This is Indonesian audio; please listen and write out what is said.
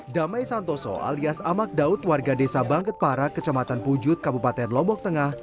damai santoso alias amak daud warga desa bangket para kecamatan pujut kabupaten lombok tengah